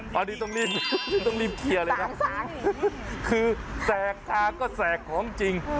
ค่ะอันนี้ต้องรีบเคลียร์เลยนะคือแสกค่าก็แสกของจริง